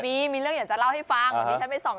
มีมีเรื่องอยากจะเล่าให้ฟัง